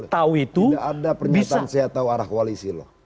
tidak ada pernyataan saya tahu arah koalisi loh